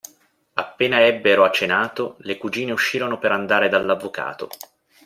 Appena ebbero cenato, le cugine uscirono per andare dall'avvocato.